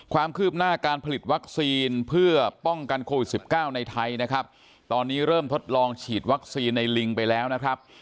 ความคืบหน้าการผลิตวัคซีนเพื่อป้องกันโควิด๑๙ในไทยนะครับตอนนี้เริ่มทดลองฉีดวัคซีนในลิงไปแล้วนะครับ